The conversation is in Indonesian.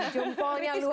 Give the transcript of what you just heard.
jempolnya luar biasa